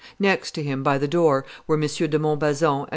Next to him, by the door, were M. de Montbazon and M.